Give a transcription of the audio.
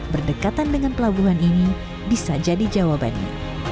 berdekatan dengan pelabuhan ini bisa jadi jawabannya